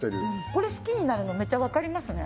これ好きになるのメチャ分かりますね